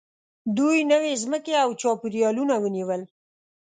دوی نوې ځمکې او چاپېریالونه ونیول.